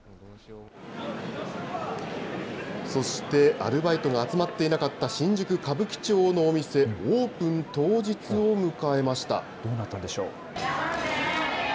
そして、アルバイトが集まっていなかった新宿・歌舞伎町のお店、どうなったんでしょう。